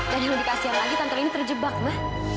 dan yang dikasih lagi tante lini terjebak ma